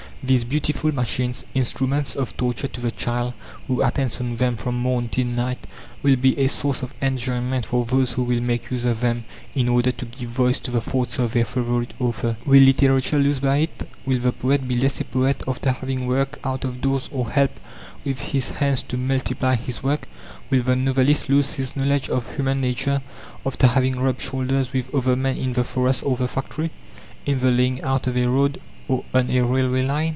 These beautiful machines, instruments of torture to the child who attends on them from morn till night, will be a source of enjoyment for those who will make use of them in order to give voice to the thoughts of their favourite author. Will literature lose by it? Will the poet be less a poet after having worked out of doors or helped with his hands to multiply his work? Will the novelist lose his knowledge of human nature after having rubbed shoulders with other men in the forest or the factory, in the laying out of a road or on a railway line?